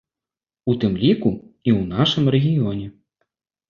У тым ліку, і ў нашым рэгіёне.